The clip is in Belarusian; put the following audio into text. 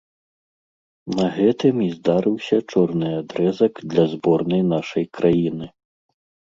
На гэтым і здарыўся чорны адрэзак для зборнай нашай краіны.